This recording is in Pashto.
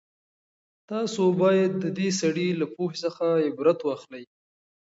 تاسو بايد د دې سړي له پوهې څخه عبرت واخلئ.